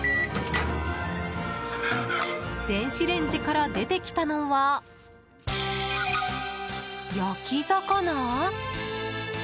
電子レンジから出てきたのは焼き魚？